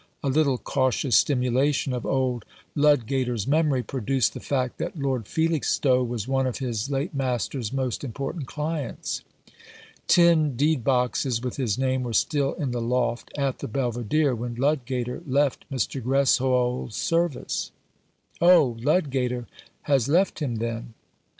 A little cautious stimulation of old Ludgater's memory produced the fact that Lord Felixstowe was one of his late master's most important clients. Tin deed boxes with his name were still in the loft at the Belvidere when Ludgater left Mr. Greswold's service." " Oh, Ludgater has left him, then